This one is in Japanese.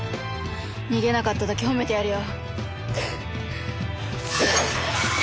逃げなかっただけ褒めてやるよ。